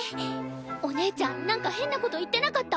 お姉ちゃんなんか変なこと言ってなかった？